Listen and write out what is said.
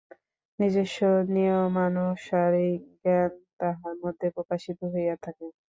নিজস্ব নিয়মানুসারেই জ্ঞান তাহার মধ্যে প্রকাশিত হইয়া থাকে।